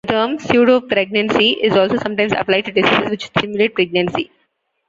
The term pseudopregnancy is also sometimes applied to diseases which simulate pregnancy.